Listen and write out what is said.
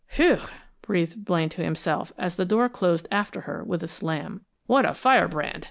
_" "Whew!" breathed Blaine to himself, as the door closed after her with a slam. "What a firebrand!